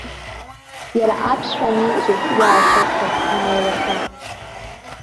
Иара аԥсшәа аниҵоуп иаашьахаз анеилыркаа.